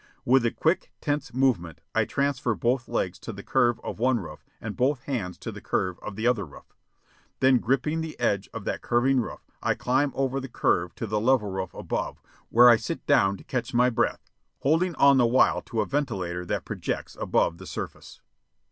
With a quick, tense movement, I transfer both legs to the curve of one roof and both hands to the curve of the other roof. Then, gripping the edge of that curving roof, I climb over the curve to the level roof above, where I sit down to catch my breath, holding on the while to a ventilator that projects above the surface.